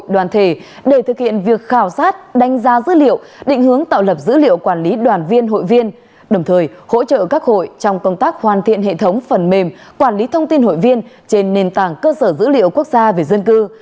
định hướng tạo lập dữ liệu quản lý đoàn viên hội viên đồng thời hỗ trợ các hội trong công tác hoàn thiện hệ thống phần mềm quản lý thông tin hội viên trên nền tảng cơ sở dữ liệu quốc gia về dân cư